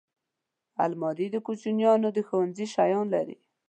الماري د کوچنیانو د ښوونځي شیان لري